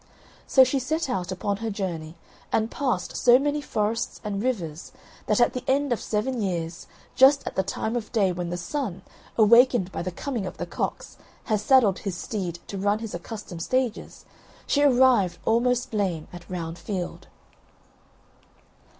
So she set out upon her journey, and passed so many forests and rivers, that at the end of seven years, just at the time of day when the Sun, awakened by the coming of the cocks, has saddled his steed to run his accustomed stages, she arrived almost lame at Round Field.